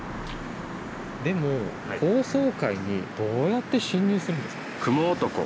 でも高層階にどうやって侵入するんですか？